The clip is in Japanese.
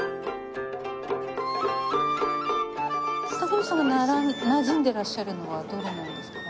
徳光さんがなじんでらっしゃるのはどれなんですか？